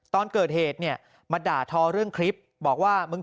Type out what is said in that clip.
วันนี้ทีมข่าวไทยรัฐทีวีไปสอบถามเพิ่ม